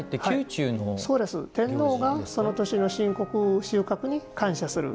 天皇がその年の収穫に感謝する。